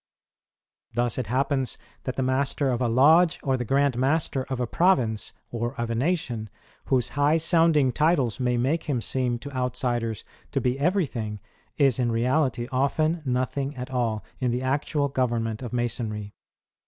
Thus it happens that the master of a lodge or the grand master of a province, or of a nation, whose high sounding titles may make him seem to outsiders to be everything, is in reality often nothing at all in the actual government of Masonry.